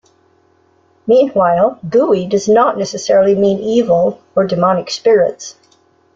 Meanwhile, "gui" does not necessarily mean 'evil' or demonic spirits.